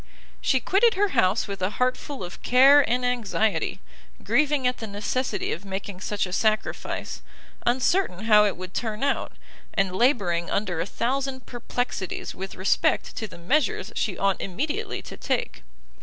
She quitted her house with a heart full of care and anxiety, grieving at the necessity of making such a sacrifice, uncertain how it would turn out, and labouring under a thousand perplexities with respect to the measures she ought immediately to take.